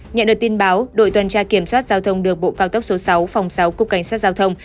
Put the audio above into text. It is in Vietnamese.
nhận được tin báo đội tuần tra kiểm soát giao thông đường bộ cao tốc số sáu phòng sáu cục cảnh sát giao thông